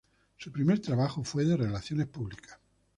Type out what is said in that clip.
Su primer trabajo fue de relaciones públicas.